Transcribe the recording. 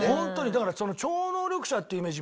だからその超能力者っていうイメージ